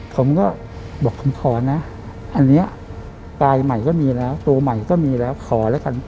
ผมก็บอกผมขอนะอันนี้ปลายใหม่ก็มีแล้วตัวใหม่ก็มีแล้วขอแล้วกัน